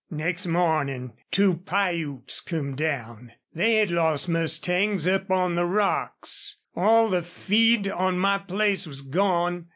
"Next mornin' two Piutes come down. They had lost mustangs up on the rocks. All the feed on my place was gone.